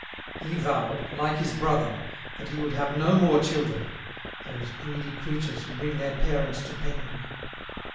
He vowed, like his brother, that he would have no more children, those greedy creatures who bring their parents to penury.